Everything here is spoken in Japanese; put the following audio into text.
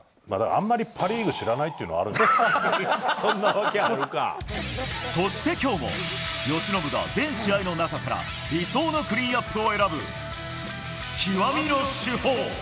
あんまりパ・リーグ知らないそしてきょうも、由伸が全試合の中から、理想のクリーンアップを選ぶ、極みの主砲。